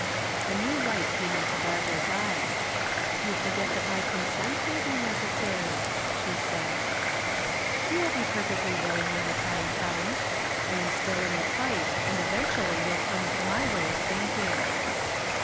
A new light came into Barbara's eyes. "You forget that my consent may be necessary," she said. "You will be perfectly willing when the time comes. I am still in the fight and eventually you will come to my way of thinking."